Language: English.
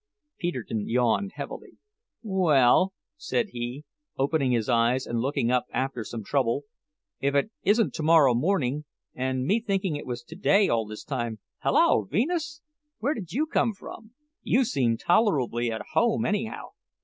Peterkin yawned heavily. "Well," said he, opening his eyes and looking up after some trouble, "if it isn't to morrow morning, and me thinking it was to day all this time Hallo, Venus! where did you come from? You seem tolerably at home, anyhow.